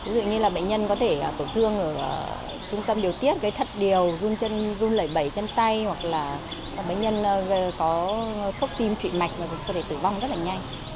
ví dụ như là bệnh nhân có thể tổn thương ở trung tâm điều tiết gây thật điều run chân run lẩy bẩy chân tay hoặc là bệnh nhân có sốc tim trụy mạch và có thể tử vong rất là nhanh